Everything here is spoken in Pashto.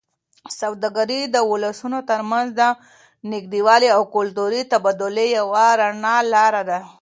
سوداګري د ولسونو ترمنځ د نږدېوالي او کلتوري تبادلې یوه رڼه لاره ده.